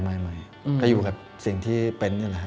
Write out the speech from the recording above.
ไม่ก็อยู่กับสิ่งที่เป็น